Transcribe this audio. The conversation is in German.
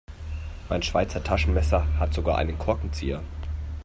Mein Schweizer Taschenmesser hat sogar einen Korkenzieher.